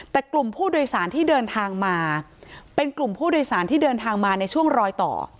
แต่กลุ่มผู้โดยสารที่เดินทางมาเป็นกลุ่มผู้โดยสารที่เดินทางมาในช่วงรอยต่อ